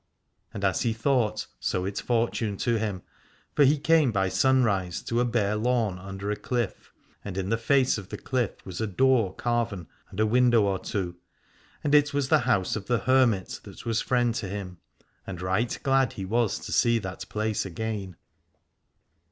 And as he thought, so it fortuned to him, for he came by sunrise to a bare lawn under a cliff, and in the face of the cliff was a door carven and a window or two, and it was the house of the hermit that was friend to him, and right glad he was to see that place again.